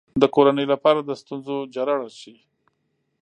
د کورنۍ لپاره د ستونزو جرړه شي.